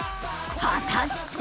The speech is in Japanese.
果たして。